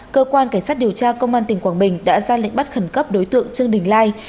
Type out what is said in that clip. cơ quan cảnh sát điều tra công an tỉnh quảng bình đã ra lệnh bắt khẩn cấp đối tượng trương đình lai